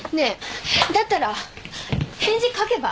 だったら返事書けば？